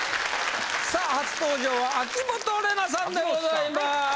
さあ初登場は秋元玲奈さんでございます。